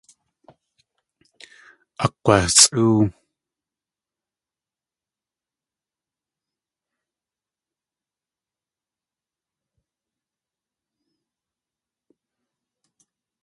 Akg̲wasʼóow.